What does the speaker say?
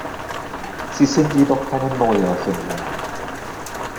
Sie sind jedoch keine neue Erfindung.